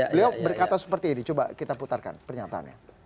beliau berkata seperti ini coba kita putarkan pernyataannya